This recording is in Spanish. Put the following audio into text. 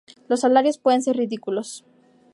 Los salarios pueden ser ridículos.